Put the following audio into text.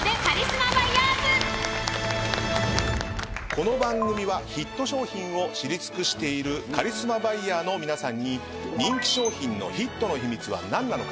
この番組はヒット商品を知り尽くしているカリスマバイヤーの皆さんに人気商品のヒットの秘密は何なのか。